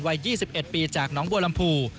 วัย๒๑ปีจากน้องบัวลำพู